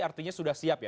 artinya sudah siap ya